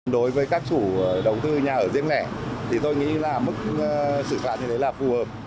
đối với các chủ đầu tư nhà ở riêng lẻ thì tôi nghĩ là mức xử phạt như thế là phù hợp